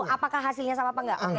apakah hasilnya sama apa enggak